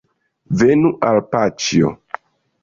Venu al paĉjo